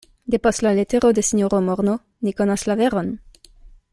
Depost la letero de sinjoro Morno ni konas la veron.